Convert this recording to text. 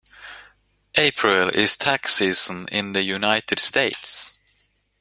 April is tax season in the United States.